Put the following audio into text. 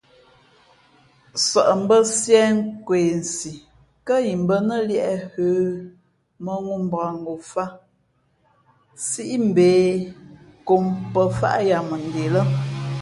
Sαʼmbᾱsiē ά kwesi kά imbᾱ nά liēʼ hə̌, mᾱŋū mbakngofāt sípeʼ kom pαfāʼ yamende lά.